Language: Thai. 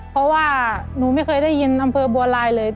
เพราะว่าหนูไม่เคยได้ยินอำเภอบัวลายเลย